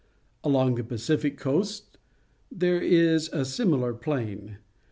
Along the Pacific coast there is a similar plain.